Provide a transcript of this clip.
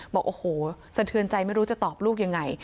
บอกโอ้โหสะเทือนใจไม่รู้จะตอบลูกยังไง